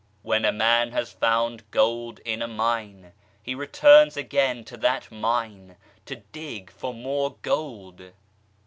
When a man has found gold in a mine, he returns again to that mine to dig for more gold.